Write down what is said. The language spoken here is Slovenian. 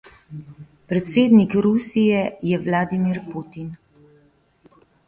Predsednik Rusije je Vladimir Putin.